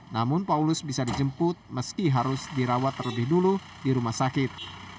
namun paulus bisa dijemput meski harus dirawat terlebih dulu di rumah sakit